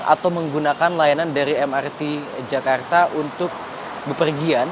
atau menggunakan layanan dari mrt jakarta untuk bepergian